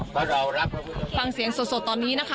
เพราะเรารักฟังเสียงสดตอนนี้นะคะ